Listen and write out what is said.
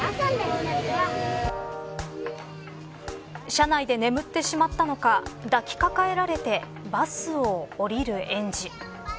車内で眠ってしまったのか抱きかかえられてバスを降りる園児。